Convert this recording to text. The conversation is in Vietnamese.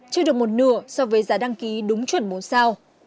chưa được một nửa so với giá đăng ký đúng chuẩn bốn sao